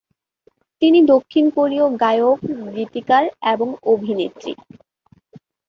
তিনি দক্ষিণ কোরীয় গায়ক, গীতিকার এবং অভিনেত্রী।